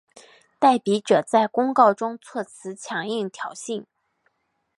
代笔者在公告中措辞强硬挑衅。